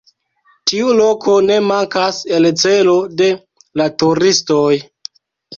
Tiu loko ne mankas el celo de la turistoj.